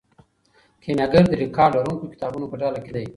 کیمیاګر د ریکارډ لرونکو کتابونو په ډله کې دی.